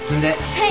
はい。